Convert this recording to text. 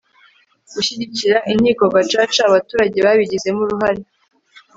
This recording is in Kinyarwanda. gushyigikira inkiko gacaca abaturage babigizemo uruhare